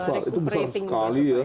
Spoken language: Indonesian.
besar itu besar sekali ya